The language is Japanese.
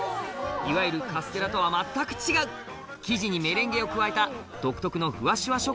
いわゆるカステラとは全く違う生地にメレンゲを加えた独特のふわしゅわ